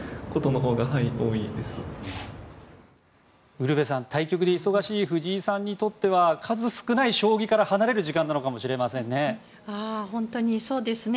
ウルヴェさん対局で忙しい藤井さんにとっては数少ない将棋から離れる時間なのかもしれないですね。